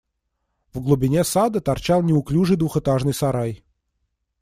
В глубине сада торчал неуклюжий двухэтажный сарай.